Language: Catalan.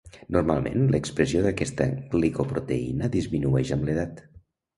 Normalment, l'expressió d'aquesta glicoproteïna disminueix amb l'edat.